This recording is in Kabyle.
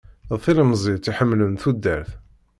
D tilemẓit iḥemmlen tudert.